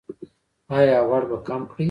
ایا غوړ به کم کړئ؟